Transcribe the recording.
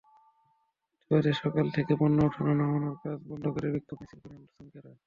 প্রতিবাদে সকাল থেকে পণ্য ওঠানো-নামানোর কাজ বন্ধ করে বিক্ষোভ মিছিল করেন শ্রমিকেরা।